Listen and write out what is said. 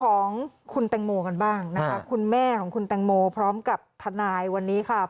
ของคุณแตงโมกันบ้างนะคะคุณแม่ของคุณแตงโมพร้อมกับทนายวันนี้ค่ะ